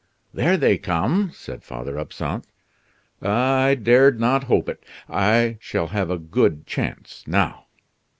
"There they come," said Father Absinthe. "Ah! I dared not hope it! I shall have a good chance now."